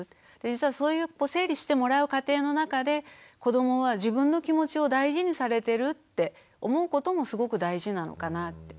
実はそういう整理してもらう過程の中で子どもは自分の気持ちを大事にされてるって思うこともすごく大事なのかなって。